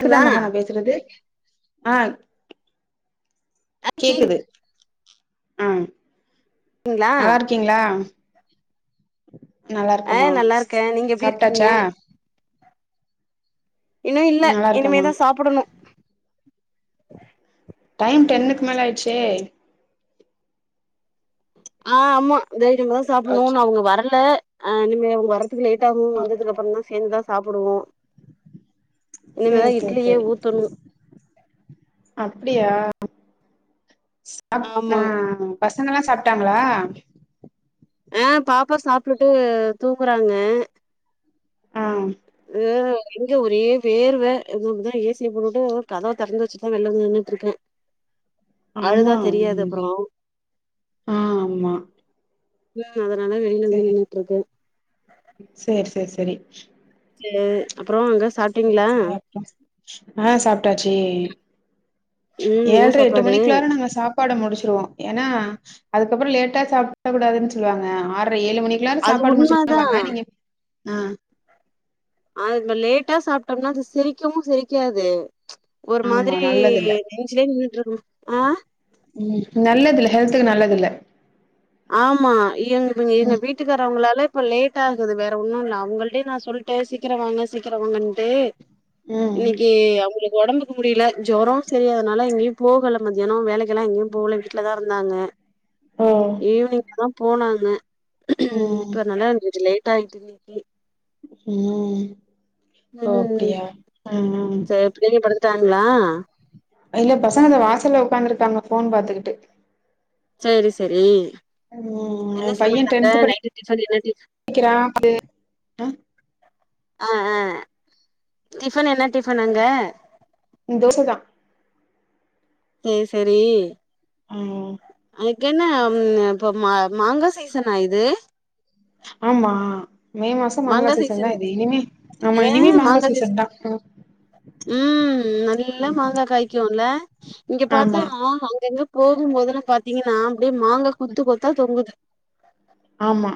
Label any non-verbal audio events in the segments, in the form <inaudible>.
க்குத ங்களா மஹா நா பேசுறது ஆ கேக்குது ஆ கேக்குதுங்களா நல்லா இரு க்கிங்களா நல்லா ஆ இருக்கமா நல்லா இருக்கே நீங்க எப்டி இருக்கீங்க சாப்டாச்சா இன்னு இல்ல நல்லா இருக்கமா இனிமேதா சாப்பிடுணு டைம் டென்னுக்கு மேல ஆயிட்ச்செ ஆ ஆமா டெய்லிமேதா ஓகே சாப்டுவோன் அவுங்க வரல ஆ இனிமே அவங்க வர லேட் ஆகு வந்ததுக்கு அப்புறோதா சேர்ந்துதா சாப்டுவோ சேரி இனிமேதா சேரி இட்லியே சேரி ஊத்தணு அப்டியா ஸ் அப் ஆமா ஆ பசங்கல்லா சாப்டாங்களா ஆ பாப்பா சாப்டுட்டு தூங்கறாங்க ஆ து இங்க ஒரே வேர்வ இப்பதா ஏ சிய போடுட்டு கதவ திறந்து வெச்சுதா வெளில வந்து நின்னுட்ருக்கே அழுதா ஆமா தெரியாதே ப்ரோ ம் ஆ ஆமா <unintelligible> அதனால வெளில வந் நின்னுட்ருக்கே சேர் சேர் சேரி சே அப்புறோ அங்க சேரி சாப்டீங்ளா சேரி அப்றோ ஆ சாப்டாச்சி ம் என்ன ஏல்ர எட்டு சாப்பாடு மணிக்குள்ளார நாங்க சாப் ப்பாடு முடிச்சிருவோ ஏனா அதுக்கப்புறோ லேட்டா சாப்ட கூடாதுன் சொல்லுவாங்க ஆர்ர ஏழு மணிக் எல்லாரு அது சாப்பாடு முடிச் <inaudible> உண்மதான் வாங்க நீங்க <inaudible> ஆ அ இத்மார் லேட்டா சாப்டோம்னா அது செரிக்கவு செரிக்காது ஒரு ஆமா மாதிரி நல்லதில்ல நெஞ்சிலியே நின்னிற்றுக்கு ஆ உம் நல்லதில்ல ஹெல்துக் நல்லதில்ல ஆமா எங் எங்க ம் வீட்டுக்காரவங்களாலே இப்ப லேட் ஆகுது வேற ஒன்னு இல்ல அவங்கள்டயே நா சொல்டே சீக்கர வாங்க சீக்கர வாங்கன்ட்டு ம் இன்னிக்கி அவுங்குளுக் ஒடம்புக் முடியில ஜொரோ செரியாகாத்னால எங்கயு போகல மத்யனு வேலைக்கெல்லா எங்கயு போகல வீட்ல தா இருந்தாங்க ஓ ஈவினிங் தா போனாங்க இப்ப ம் <unintelligible> லேட் ஆகிட் இன்னிக்கு உம் ஓ அப்டியா அ அ சேர் பிள்ளைகளியு படுத்துட்டங்களா அதிலியு பசங்க இதோ வாசல்ல உக்காந்துருக்காங்க ஃபோன் பாத்துக்கிட்டு சேரி சேரி ம் எ என்ன பைய சமையல் அங்க டென்த் நைட்டு டிஃபன் என்ன டிஃப் படிக்கிறா அது ஆ ஆ ஆ டிஃபன் என்ன டிஃபன் அங்க தோச தா சேர் சேரி ம் அதுக் என்ன ம் இப்போ மா மாங்கா சைசனா இது ஆம்மா மே மாசோ மாங்கா சீசன் தா இது இனிமே ஆமா இனிமே மாங்கா சீசன் தா ஒ உம் நல்லா மாங்கா காய்க்கு இல்ல இங்க பாத்த ஆமா அங்கங்க போகும்போதெல்லா பாத்தீங்கன்னா அப்டியே மாங்கா குத்து கொத்தா தொங்குது ஆம்மா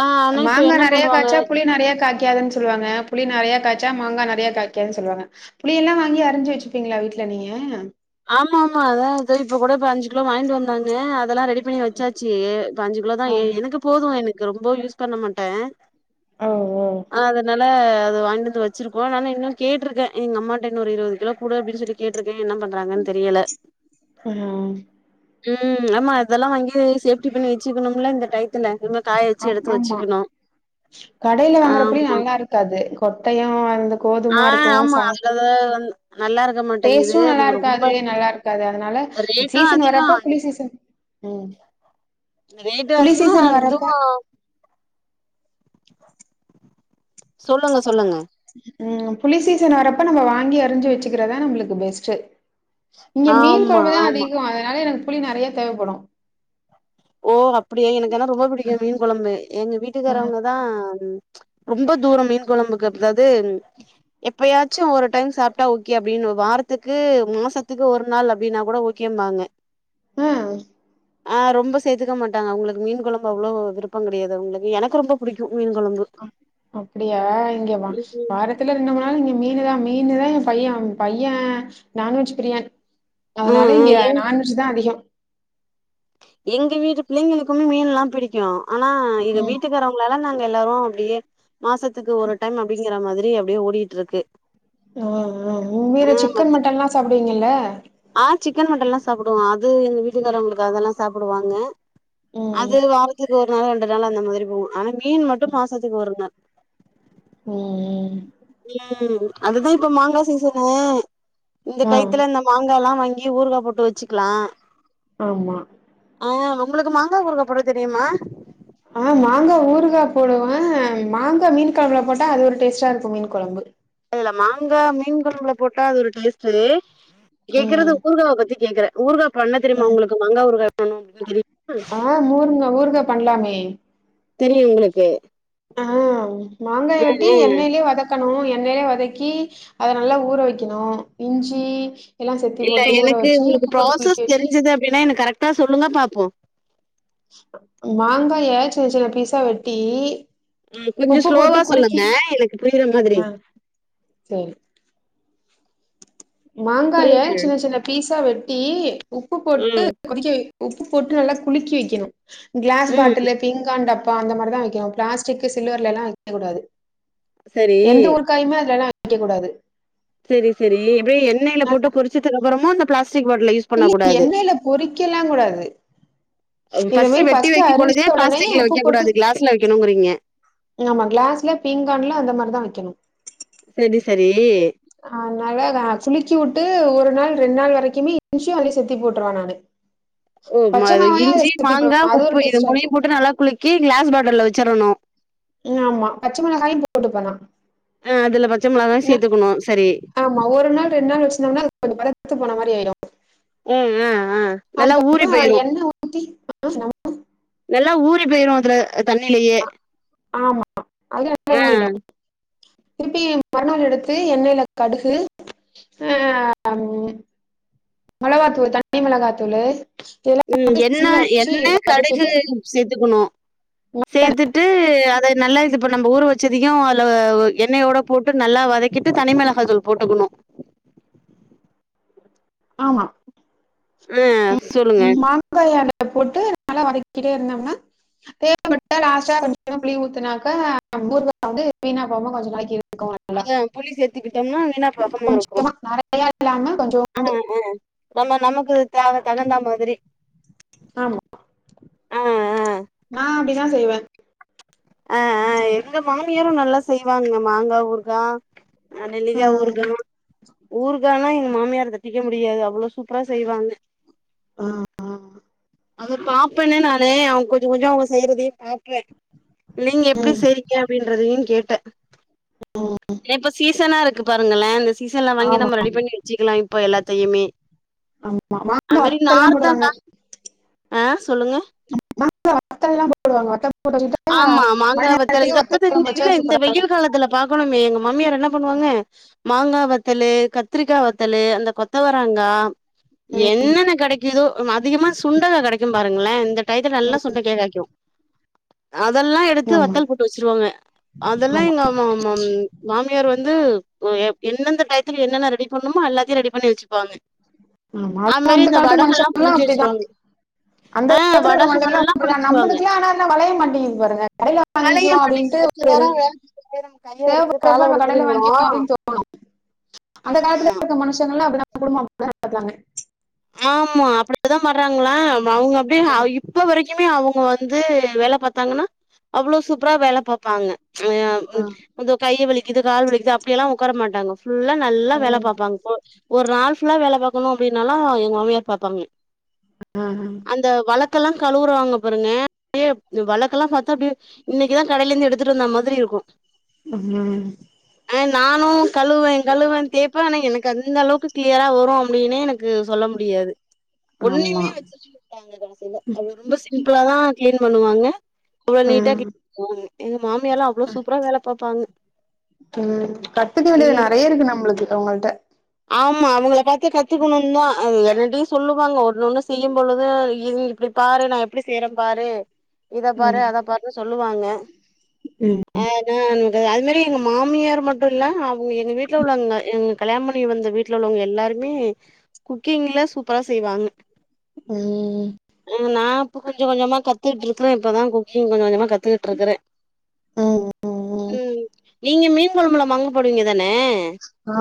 ஆ ஆனா இப்ப மாங்கா என்ன நெறைய பண்ணுவாங்க காய்ச்சா புளி நெறைய காய்காதுன் சொ ல்லுவங்க புளி நெறைய காய்ச்சா மாங்கா நெறையா காய்க்காது சொல்லுவாங்க புளிய எல்லா வாங்கி அரஞ்சு வெச்சுப்பீங்களா வீட்ல நீங்க ஆமாம்மா அதா அது இப்போ கூட பைஞ்சு கிலோ வாங்கிட் வந்தாங்க அதெல்லா ரெடிப் பண்ணி வெச்சாச்சு இப்ப அஞ்சு கிலோ தா ஆ ஏ எனக்கு போது எனக்கு ரொம்ப யூஸ் பண்ண மாட்டே ஓ ஓ ஆ அதனால் அ அது வாங்கிந்து வச்சிருக்கோ ஆனா இன்னு கேட்ருகே எங்க அம்மாட்ட இன்னு ஒரு இருவது கிலோ குடு அப்டினு சொல்லி கேட்ருக்கே என்ன பண் றாங்கன்னு தெரியல ஆ ம் ஆமா இதெல்லா வாங்கி சேஃப்டி பண்ணி வச்சுக்கணும்ல இந்த டைட் டைட்துல சும்மா காய வச்சு ஆம் எடுத்து ஆமா வச்சுக்கணும் ஆம்மா க்காது கொட்டையு வந்து கோதுமா இருக்கு ஆமா சா அதுல வந் நல்லா இருக்க மாட்டேங்குது டேஸ்ட்டும் அது நல்லா ரொம்ப இருக்காது நல்லா இருக் இருக்காது அதனால ரேட்டு சீசன் அதிகோ வரப்ப புலி சீசன் ம் ரேட்டு புளி அதிகோ சீசன் வரப்ப அதுவு சொல்லுங்க சொல்லுங்க ம் புலி சீசன் வரப்ப நம்ம வாங்கி அறிஞ்சு வச்சுக்கிறதுதா நம்ளுக்கு பெஸ்ட்டு இங்க மீன் ஆமா கொழம்புதா ஆமா அதிகோ அதனால எனக்கு புளி நெறையா தேவப்படு ஓ அப்டியா எனக்குனா ரொம்ப புடிக்கு மீன் கொழம்பு எங்க ஆ வீட்டுக்காரவங்க தா ரொம்ப தூரம் மீன் கொழம்புக்கு அதாவது எப்பயாச்சு ஒரு டைம் சாப்டா ஓகே அப்டின்னு வாரத்துக்கு மாசத்துக்கு ஒரு நாள் அப்டின்னா கூட ஓகே முக்கியமாங்க அ ஆ ரொம்ப சேத்துக்க மாட்டாங்க அவங்களுக்கு மீன்கொழம்பு அவ்ளோ விருப்பம் கெடையாது அவங்களுக்கு எனக்கு ரொம்ப பிடிக்கு மீன் கொழம்பு அப்டியா இங்க வா ம் வார த்துல ரெண்டு மூணு நாள் இங்க மீனு தா மீனுதா எங்க பையே பையன் நான்வெஜ் பிரியான் ஆ அதனால ஆ இங்க எங் நான்வெஜ் தா அதிகோ எங்க வீட்டு பிள்ளைங்களுக்குமே மீன் எல்லா பிடிக்கு ஆனா எங்க ம் வீட்டுக்கார உங்களால நாங்க எல்லாரு அப்டியே மாசத்துக்கு ஒரு டைம் அப்டிங்கிற மாரி அப்டியே ஓடிட்டு இருக்கு ஆ ஆ ஆ உண்மையிலே சிக்கன் மட்டன் மத்தபடி எல்லா சாப்டுவீங்கல்ல ஆ சிக்கன் மட்டன் எல்லா சாப்டுவோம் அது எங்க வீட்டுக்காரவங்களுக்கு அதெல்லாம் சாப்டுவாங்க அது ம் வாரத்துக்கு ஒரு நாள் ரெண்டு நாள் அந்த மாதிரி போகும் ஆகு ஆனா மீன் மட்டு மாசத்துக்கு ஒரு நாள் ம் ம் ம் அதுதா இப்ப மாங்கா சீசனு ஆ இந்த மாங்கால்லா வாங்கி ஊருகா போட்டு வச்சுக்கலா ஆமா ஆ உங்களுக்கு மாங்கா ஊருகா போட தெரியுமா ஆ மாங்கா ஊருகா போடுவே மாங்கா மீன் கொழம்புல போட்டா அது ஒரு டேஸ்ட்டா இருக்கு மீன் குழம்பு அது இல்ல மாங்கா மீன் கொழம்புல போட்டா அது ஒரு டேஸ்ட்டு கே்க்கறது ம் ஊருகாவ பத்தி கேக்குறே ஊர்கா பண்ண தெரியுமா உங்களுக்கு மங்கா ஊர்கா பண்ணும் அப்டின்னு தெரியுமா ஆ ஊருங்க ஊரு பண்லாமே தெரியு உங்களுக்கு ஆ மாங்க ஆ வெட்டி ஆ எண்ணெய்லயே வதக் வதக்கணு எண்ணெயே வதக்கி அத நல்லா ஊற வக்கணு இஞ்சி எல்லா செத்தி போட்டு ஊற வச்ச உப்பு போட்டு குளிக்கி தெரி்ஞ்சது அப்டின்னா என்க்கு கரெக்டா சொல்லுங்க பாப்போ மாங்காய சின்ன சின்ன பீஸா வெட்டி ம் கொஞ்சோ உப்பு போட்டு ஸ்லோவா குலுக்கி சொல்லுங்க எனக்கு புரியுற மாதிரி செரி மாங்காய சொல்லுங்க சின்ன சின்ன பீஸா வெட்டி உப்பு போட்டு ம் குலுக்க உப்பு போட்டு நல்லா குலுக்கி வைக்கணு க்ளாஸ் ம் பாட்டில் பிங்கான் டப்பா அந்த மாரிதா வைக்கணு பிளாஸ்டிக் சில்வர்ல எல்லா வைக்கக்கூடாது சரி எந்த ஒரு <unintelligible> அதலலா வக்கெக்கூடாது செரி செரி எப்டி எண்ணெயில போட்டு பொரிச்சதுக்கு அப்புறமொ இந்த பிாஸ்டிக் பாட்டுல யூஸ் பண்ண இல்ல கூடாது எண்ணெயில பொறிக்கலா கூடாது இத மாரி வெட்டி ஃபர்ஸ்ட் வைக்கும் அருஞ்ச பொழுதே ஒடனே பிளாஸ்டிக்ல உப்பு வைக்க போட்டு கூடாது கிளாஸ்ல வைக்கணுங்கிறீங்க ஆமா கிளாஸ்ல பீங்கான்ல அந்த மாரிதா வக்கெணு செரி செரி அத்னால குளுக்கி வுட்டு ஒரு நாள் ரெண்டு நாள் வரைக்குமே <unintelligible> அதுலே சேத்தி போட்ருவே நானு ஓமா பச்ச அது மிளகாயு அதுல இஞ்சி சேத்தி மாங்கா போடுவ அது ஒரு உப்பு இது டேஸ்டா மூனயு இருக்கு போட்டு நல்லா குளுக்கி கிளாஸ் பாட்டுல வச்சரணு ம் ஆமா பச்ச மெளகாயு போட்டுப்பே நா அ அதுல பச்ச மெளகாயு சேத்துக்குணு செரி ஆமா ஒரு நாள் ரெண்டு நாள் வச்சுந்தோம்னா அது கொஞ்சொ பதத்து போன மாரி ஆயிரு ம் ஆ ஆ நல்லா ஊறி அதுக்கப்றொ போயிரு என்ன ஊத்தி <inaudible> நல்லா ஊறி பேயிரு அதுல தண்ணிலயே ஆமா அது நல்லா அ ஊறிடு திருப்பி <unintelligible> எடுத்து எண்ணெய்ல கடுகு மொளகாத்தூளு தனி மெளகாத்தூளு ம் எண்ண எண்ண கடுகு சேத்துக்கணு மெல்லன சேர்த்துட்டு அத நல்லா இது இப்ப நம்ப ஊற வச்சதையு அத்ல எண்ணெயோட போட்டு நல்லா வதக்கிட்டு தனி மெளகா தூள் போட்டுக்கணு ஆமா அ சொல்லுங்க <unintelligible> போட்டு நல்லா வதக்கிட்டே இருந்தொம்னா தேவப்பட்டா லாஸ்டா கொஞ்சொ புளி ஊத்துனாக்க ஊறுகா வந்து வீணா போகாம கொஞ்சொ நாளக்கி அத இருக் புளி சேர்த்துக்கிட்டோம்னா வீணா <inaudible> அ அ நம்ம நமக்கு தேவ தகுந்தா மாதிரி ஆமா ஆ ஆ நா அப்டிதா செய்வே அ அ எங்க மாமியாரு நல்லா செய்வாங்க மாங்கா ஊர்கா அ நெல்லிகா ம். ஊறுகாலா ஊறுகான்னா எங்க மாமியார் த செய்ய முடியாது அவ்ளோ சூப்பரா செய்வாங்க ஆ ஆ அத பாப்பென்னெ நானு அவுங் கொஞ்சொ கொஞ்சொ அவுங்க செய்றதையு பாப்பே நீங்க எப்டி ம். செய்றிங்க அப்டின்றதையு கேட்டே தே இப்ப சீசனா இருக்கு பாருங்களே இந்த சீசன்ல வாங்கி ஆமா நம்ம ரெடி பண்ணி வச்சுகலா இப்போ எல்லாத்தையுமே ஆமா அது மாங்காய் மாரி வத்தெல்லாம் நார் தா போடுவாங்க தா ஆ சொல்லுங்க <inaudible> வத்தல்லா போடுவாங்க வத்தல் போட்டு வச்சுகிட்டு ஆமா மழ மாங்கா வத்தல் இத நேரத்துக்கு வத்த பத்தி கொழம்பு இல்ல வச்சா இந்த சூப்பரா இருக்கு வெயில் காலத்துல பாக்கணுமே எங்க மாமியார் என்ன பண்ணுவாங்க மாங்கா வத்தலு கத்ரிக்கா வத்தலு அந்த கொத்தவரங்கா என்னென்ன கேடைக்கிதோ அதிகமா சுண்டக்கா கெடைக்கு பாருங்ளே இந்த டைத்துல நல்லா சுண்டக்கெ காய்க்கு அதெல்லா எடுத்து ஆமா வத்தல் போட்டு வச்சிருவாங்க அதெல்லா ஆமா எங்க மா மா ம் மாமியார் வந்து என்னெந்த டைத் த்லெ என்னென்ன ரெடி பண்ணுமோ எல்லாத்தயு ரெடி பண்ணி வச்சுப்பாங்க ஆமா அது அதா மாரி அந்த இந்த காலத்து வடகல்லா மனுஷங்கல்லா புழிஞ்சு அப்டிதா வச்சிருவாங்க அந்த ஆ காலத்துல இருக்க வடகம் மனுஷங்கல்லா எல்லா அப்புடிதா புளிச்சிருவாங்க நம்பலுக்கலா ஆனா வளைய மாட்டெங்கிது பாருங்க கடையில வளைய வாங்கிக்குவோம் மாட்டெங்கிது அப்படின்ட்டு மத்த நேரொ வேல <unintelligible> கைய வலிக்கிது கால தேவைப்படுறப்ப நம்ம கடையில வலிக்கிதுங்றோ வாங்கிக்குவோம் அப்படின்னு தோணும் அந்த காலத்துல இருக்க மனுஷங்கள்லா அப்டிதா குடும்போ அப்டிதா நடத்துனாங்க ஆமா அப்புடிதா மறாங்களா அவ்ங்க அப்டியேதா அ இப் இப்ப வரைக்குமே அவுங்க வந்து வேல பாத்தாங்கனா அவுளோ சூப்புரா வேல பாப்பாங்க அ ஆ, வந்து கையு வலிக்குது கால் வலிக்குது அப்டியெல்லா உக்கார மாட்டாங்க ஃபுல்லா நல்லா வேல ம், பாப்பாங்க இப்போ ஒரு நாள் ஃபுல்லா வேல பாக்கணு அப்டின்னாலா எங்க மாமமியார் பாப்பாங்க ஆ அந்த வளக்கெல்லா கழுவுறாங்க பாருங்க அப்டியே இந்த வளக்கெல்லா பாத்தா அப்டியே இன்னைக்குதா கடைல இருந்து எடுத்துட்டு வந்த மாதிரி இருக்கு ம் ஆனா நானு கழுவேன் கழுவேன் தேப்பே ஆனா எனக்கு அந்த அளவுக்கு கிளியரா வரு அப்டின்னே எனக் கு சொல்ல முடியாது ஆமா ஒன்னுமே வச்சு அவ்ங்க கடசில அவ்ங்க ரொம்ப சிம்பிளா தா கிளீன் பண்ணுவாங்க அவுளோ நீட்டா ம், ம். கிளீன் பன்னுவாங்க எங்க மாமியார்லா அவ்ளோ சூப்புரா வேல பாப்பாங்க ம் கத்துக்க வேண்டியது ம் நெறையா இருக்கு நம்ளுக்கு அவுங்கள்ட்ட ஆமா அவுங்கள பாத்து கத்து குணுந்தா அது என்னடியு சொல்லுவாங்க ஒன்னு ஒன்னு செய்யும் பொழுது இது இப்டி பாரு நா எப்டி செய்றன் பாரு இத பாரு ம், அத பா ரு சொல்லுவாங்க ஆ அது வந்து அது மாரி எங்க மாமியாரு மட் டுல்ல அவ்ங்க எங்க வீட்ல உள்ளவங்க எங்க கல்யாண் பண்ணி வந்த வீட்ல உள்ளவ்ங்க எல்லாருமே குக்கிங்குல சூப்புரா செய்வாங்க ம் ம் நா இப்ப கொஞ்ச கொஞ்சமா கத்துக்கிட்ருக்குறே இப்பதா குக்கிங் கொஞ்சோ கொஞ்சமா கத்துகிட்ருக்குறே ம் நீங்க மீன் கொழம்பல மாங்கா போடுவீங்க தான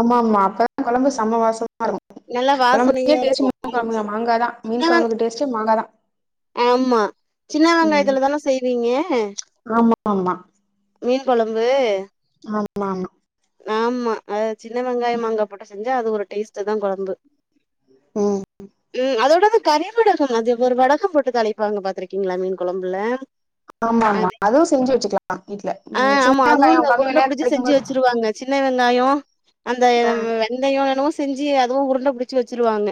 ஆமா ஆமா அப்பதா கொழம்பு சம்ம வாசோ வரு நல்லா வாசனையா கொழம்புக்கே இருக்கு டேஸ்ட்டு மீன் ஆமா கொழம்புல மாங்காதா மீன் சின்னவெங் கொழம்புக்கு டேஸ்ட்டே மாங்காதா ஆமா சின்ன வெங்காயத்துலதான செய்வீங்க ஆமா ஆமா மீன் கொழம்பு ஆமா ஆமா ஆமா அதுல சின்ன வெங்காயோ மாங்கா போட்டு செஞ்சா அது ஒரு டேஸ்ட்டுதா கொழம்பு ம் ம் அதோட அது கறிவடகோ அது ஒரு வடகோ போட்டு தாலிப்பாங்க பாத்திருக்கீங்ளா மீன் கொழம்புல ஆமா ஆமா அதுவு செஞ்சு வச்சுக்குலா வீட்ல ம் சின்ன வெங்காயோ கம்மி வெலையா கெடைக்கும்போது குவாங்க சின்ன வெங்காயோ அந்த ஆ வெந் தையோ என்னமோ செஞ்சு அதுவு உருண்ட புடுச்சு வச்சிருவாங்க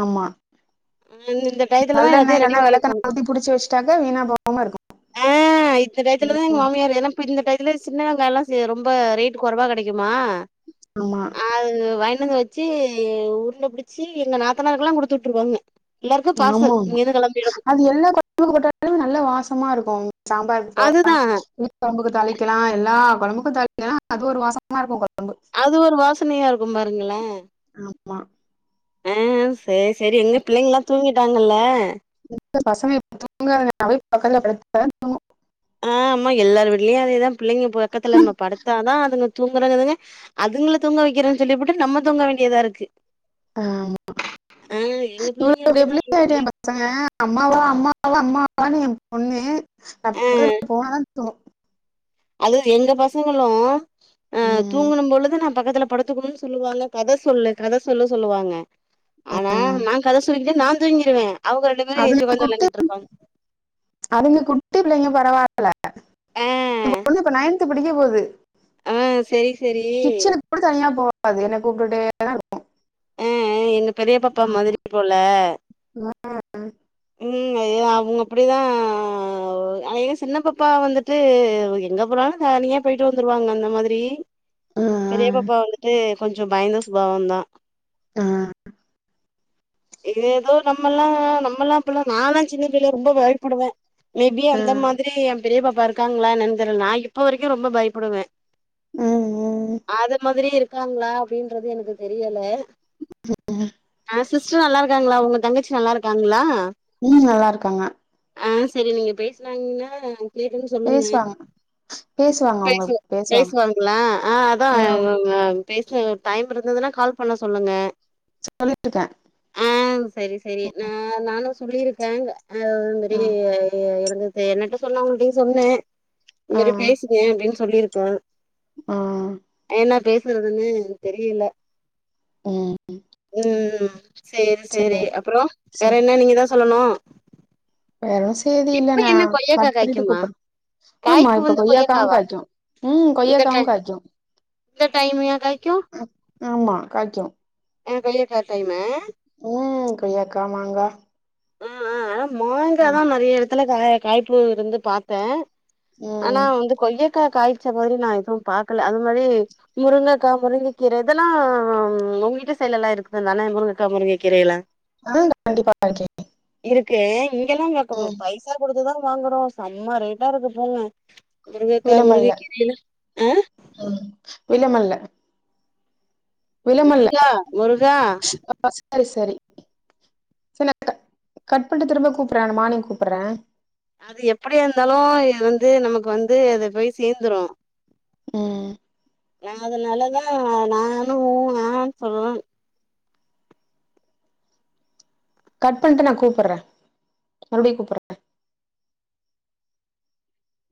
ஆமா அ இந்த டயத்துலதா நல்லெண்ண எல்லாத்தையு ரெடி இல்லனா பண்ணி வைப்பாங்க வெளக்கென்ன ஊத்தி புடிச்சு வச்ட்டாக்க வீணாபோவாமா இருக்கு ஆ இந்த டயத்துலதா எங்க மாமியாரு ஏனா இப்ப இந்த டையத்துல சின்னவெங்காயோலா சே ரொம் ப ரேட் கொறவா கெடைக்குமா ஆமா அது வாய்ண்டு வந்து வச்சு உருண்ட புடுச்சி எங்க நாத்தனாருக்குலா குடுத்துட்ருவாங்க எல்லாருக்கு பார்சல் இங்கேர்ந்து கெளம்பிருக்கு பூண்டு போட்டதா நல்லா வாசமா இருக்கு சாம்பாருக்கு போடலா அதுதா உ கொழம்புக்கு தாளிக்கலா எல்லா கொழம்புக்கு தாளிக்கலா அது ஒரு வாசோ அது ஒரு வாசனையா இருக்கும் பாருங்களே ஆமா ஆ சேரி செரி எங்க பிள்ளைங்குலா தூங்கிட்டாங்கலா இப்ப பசங்க இப்ப துங்கதுங்க நா போயி பக்கத்துல படுத்தா தா அ ஆமா எல்லார் வீட்லையு அதேதா பிள்ளைங்க பக்கத்துல நம்ம படுத்தாதா அதுங்க தூங்குறங்குதுங்க அதுங்ல தூங்க வக்கிறன் சொல்லிபுட்டு நம்ம தூங்க வேண்டியதா இருக்கு ஆ அ எங்க புள்ளைங்க அப்டிதா <unintelligible> சங்க அம்மா வா அம்மா வா அம்மாவான்னு ஏ பொண்ணு நா ஆ பக்கத்துல போனாதா தூ அது எங்க பசங்களு அ உம் தூங்குனும்பொழுது நா பக்கத்துல படுத் துக்கனுன் சொல்லுவாங்க கத சொல்லு கத சொல்ல சொல்லுவாங்க ஆனா உம். நநா கத சொல்லிக்கிட்டே நா தூங்கிருவே அவுங்க ரெண்டு பேரு அதுங்க ஏஞ்ச்சு ஒக்கந்து குட்டி வெள்ளாண்டுட்ருப்பாங்க அதுங்க குட்டி பிள்ளைங்க பரவால்லா ஆ ஏ பொண்ணு இப்ப நையன்த்து படிக்க போது அ செரி செரி எப்டி தனியா போவாது என்ன கூப்டுட்டுடே தா இருக்கு அ அ எங்க பெரிய பாப்பா மாதுரி போல <inaudible> ம் அதோதா அவுங்க அப்புடிதா ஏ சின்னபப்பா வந்துட்டு எங்க போனாலு தனியா போயிட்டு வந்துருவாங்க அந்த மாதுரி பெரிய உம், பாப்பா வந்துட்டு கொஞ்ச பயந்த சுபாவந்தா அ ஏதோ நம்மல்லா நம்மல்லா இப்பல்லா நாலா சின்ன பிள்ளைல ரொம்ப பயப்புடுவ மேபி அந்த உம், மாதுரி ஏ பெரிய பாப்பா இருக்காங்ளா என்னன் தெர்ல நா இப்ப வரக்கு ரொம்ப பயப்புடுவ உம், உம். அது மாதுரி இருக்காங்ளா அப்டின்றது எனக்கு தெரியல அ சிஸ்ட்ரு நல்லாருக்காங்ளா ஒங்க தங்கச்சி நல்லாருக்காங்ளா ம் நல்லாருக்காங்க அ செரி நீங்க பேஸ்னாறங்னா கேட்டேன் சொல்லுங்க பேசுவாங்க பேசுவாங்க பேசுவோ உங்களுக்கு பேசுவாங்க பேசுவாங்ளா அ அதா உம், அவுங்க பேஸ்னாங்க டைம் இருந்துதுனா கால் பண்ண சொல்லுங்க சொல்லிட்டுக்கே அ செரி செரி ந நானு சொல்லிருக்க அ அது மரி உம், ஏ இருந்துத்தே என்னட்ட சொன்னாவங்க்ள்ட்யு சொன்னே இந் மரி உம், பேசுனிய அப்டின் சொல்லிருக்க உம், என்னா பேசுறதுன்னு தெரியல உம். ம் ம் சேரி சேரி அப்றோ வேற சரி என்ன நீங்க தா சொல்லணு வேற ஒன்னு சேதி இல்ல இப்ப நா என்ன கொய்யக்கா கட் பண்ணிட்டு காய்க்குமா கூப்புற் ஆமா காய்ப்பு இப்ப வந்து கொய்யாகாவு கொய்யக்காவா காய்க்கு ம் இந்த கொய்யாகாவு டை காய்கு இந்த டைமயா காய்க்கு ஆமா காய்க்கு அ கொய்யாக்கா டைமு அ கொய்யாக்கா மாங்கா ம் ம் அனா மாங்கா தா ம் நறைய எடத்துல காய காய்ப்பு இருந்து பாத் த ஆனா ம் வந்து கொய்யக்கா காய்ச்ச மாரி நா எதும் பாக்கல அது மாரி முருங்கக்கா முருங்க கீர இதல்லா உங் வீட்ட சைட்லல்லா இருக்த தான முருங்கக்கா முருங்க கீரை எல்லா அ கண்டிப்பா <inaudible> இருக்கு இங்கெல்லா வாக்குபு ம் பைசா குடுத்துதா வாங்குறோ செம்மா ரேட்டா இருக்கு போங்க முருங்க கா முருங்க கீரை எல்லா அ ஒ விலமல்ல விலமல்ல முருகா முருகா சரி சரி சரி நா க கட் பண்ட்டு திரும்ப கூப்புற நா மார்னிங் கூப்புட்ற அது எப்படியா இருந்தாலு எ வந்து நமக்கு வந்து அத போய் சேந்துரு ம் அதனாலதா நானு நானு சொல்லல கட் பண்ட்டு நா கூப்புர்ற மறுடியு கூப்புர்ற